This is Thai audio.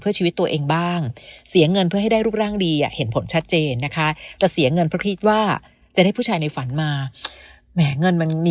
เพื่อชีวิตตัวเองบ้างเสียเงินเพื่อให้ได้รูปร่างดีอย่าง